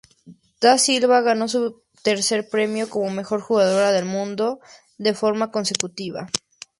Da Silva ganó su tercer premio como mejor jugadora del mundo de forma consecutiva.